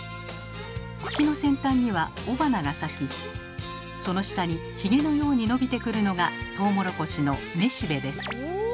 茎の先端には雄花が咲きその下にヒゲのように伸びてくるのがトウモロコシのめしべです。